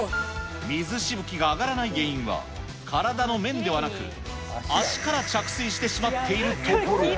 水しぶきが上がらない原因は、体の面ではなく、足から着水してしまっているところ。